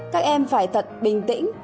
các em phải thật bình tĩnh